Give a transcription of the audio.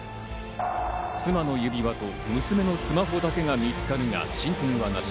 妻の指輪と娘のスマホだけが見つかるが進展はなし。